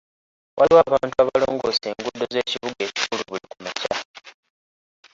Waliwo abantu abalongoosa enguudo z'ekibuga ekikulu buli kumakya.